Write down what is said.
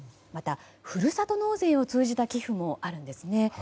また、ふるさと納税を通じた寄付もあるんですね。